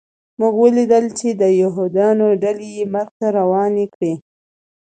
موږ ولیدل چې د یهودانو ډلې یې مرګ ته روانې کړې